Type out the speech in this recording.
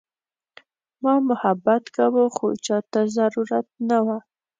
ما محبت کاوه خو چاته ضرورت نه وه.